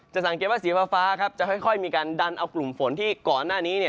สังเกตว่าสีฟ้าจะค่อยมีการดันเอากลุ่มฝนที่ก่อนหน้านี้